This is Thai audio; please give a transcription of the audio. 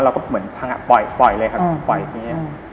เราก็เหมือนพังอ่ะปล่อยเลยครับปล่อยทีนี้